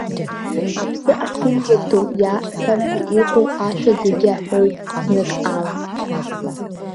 Аԥсы ахьынӡаҭоу иааҳәараны иҟоу ашәа зегьы аҳәоит знык ала.